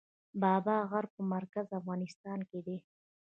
بابا غر په مرکزي افغانستان کې دی